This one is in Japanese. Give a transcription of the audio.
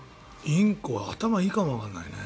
インコ頭いいかもわからないね。